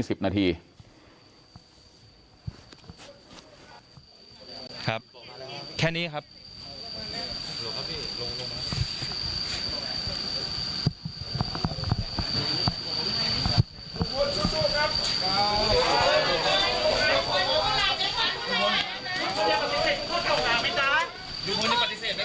ครับแค่นี้ครับ